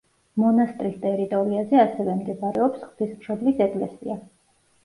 მონასტრის ტერიტორიაზე ასევე მდებარეობს ღვთისმშობლის ეკლესია.